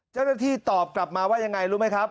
เจ้าหน้าที่ตอบกลับมาว่ายังไงรู้ไหมครับ